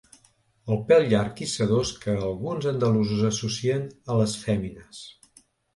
El pèl llarg i sedós que alguns andalusos associen a les fèmines.